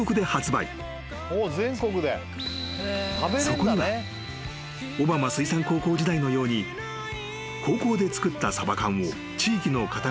［そこには小浜水産高校時代のように高校で作ったサバ缶を地域の方々に食べてもらいたい］